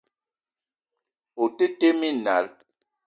O te tee minal.